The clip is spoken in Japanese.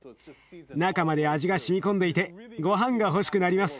中まで味がしみ込んでいてごはんが欲しくなります。